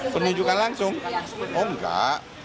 penunjukan langsung oh enggak